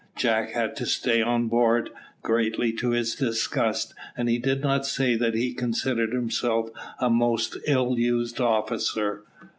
Jack had to stay on board, greatly to his disgust, and he did say that he considered himself a most ill used officer.